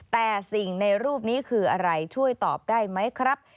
แต่สิ่งในรูปนี้คืออะไรช่วยตอบได้ไหมครับ